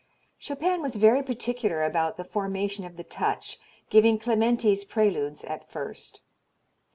Chopin was very particular about the formation of the touch, giving Clementi's Preludes at first.